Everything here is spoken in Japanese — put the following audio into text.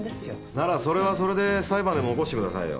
ならそれはそれで裁判でも起こしてくださいよ。